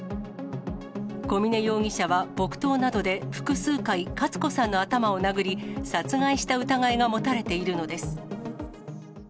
小峰容疑者は木刀などで複数回、勝子さんの頭を殴り、殺害した疑いがもたれているのです。